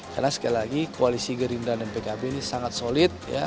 karena sekali lagi koalisi gerindra dan pkb ini sangat solid